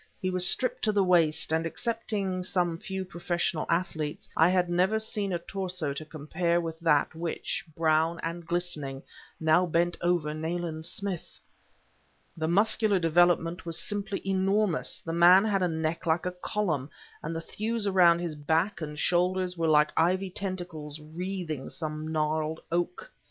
He was stripped to the waist, and, excepting some few professional athletes, I had never seen a torso to compare with that which, brown and glistening, now bent over Nayland Smith. The muscular development was simply enormous; the man had a neck like a column, and the thews around his back and shoulders were like ivy tentacles wreathing some gnarled oak.